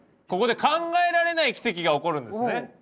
ここで考えられない奇跡が起こるんですね。